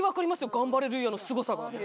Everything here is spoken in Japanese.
ガンバレルーヤのスゴさが。